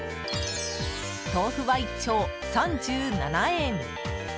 豆腐は、１丁３７円！